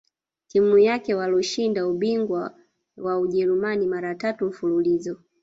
timu yake waloshinda ubingwa wa Ujerumani mara tatu mfululizo